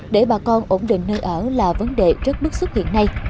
để bà con ổn định nơi ở là vấn đề rất bức xúc hiện nay